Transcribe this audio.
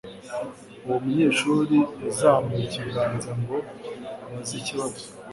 Uwo munyeshuri yazamuye ikiganza ngo abaze ikibazo.